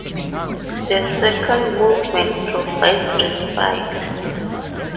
The second movement provides respite.